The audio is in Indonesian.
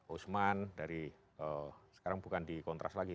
osman dari sekarang bukan di kontras lagi